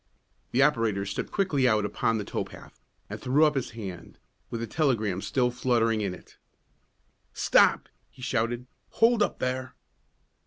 The operator stepped quickly out upon the tow path, and threw up his hand, with the telegram still fluttering in it. "Stop!" he shouted. "Hold up, there!"